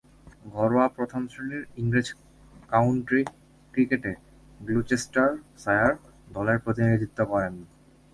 ঘরোয়া প্রথম-শ্রেণীর ইংরেজ কাউন্টি ক্রিকেটে গ্লুচেস্টারশায়ার দলের প্রতিনিধিত্ব করেন।